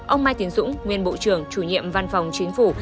ông mai tiến dũng nguyên bộ trưởng chủ nhiệm văn phòng chính phủ